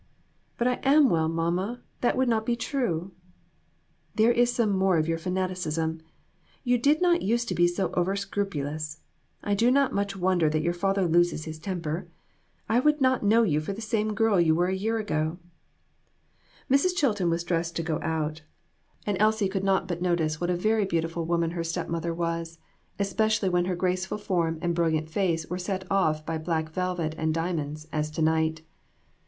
"But I am well, mamma; that would not be true." "There is some more of your fanaticism. You did not use to be so over scrupulous. I do not much wonder that your father loses his temper. I would not know you for the same girl you were a year ago." Mrs. Chilton was dressed to go out, and Elsie AN EVENTFUL AFTERNOON. 295 could not but notice what a very beautiful woman her step mother was, especially when her graceful form and brilliant face were set off by black velvet and diamonds, as to night.